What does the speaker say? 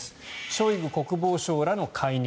ショイグ国防相らの解任